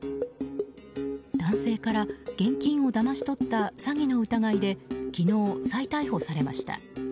男性から現金をだまし取った詐欺の疑いで昨日、再逮捕されました。